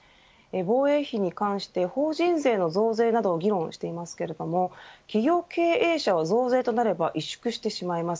防衛費に関して法人税の増税などを議論していますが企業経営者は、増税となれば萎縮してしまいます。